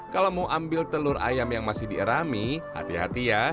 kalau mau ambil telur ayam yang masih dierami hati hati ya